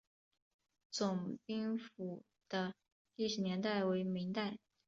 总兵府的历史年代为明代。